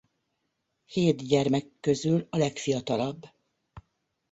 Hét gyermek közül a legfiatalabb.